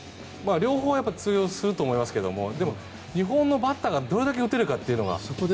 両方通用すると思いますけどもでも、日本のバッターがどれだけ打てるかというのが。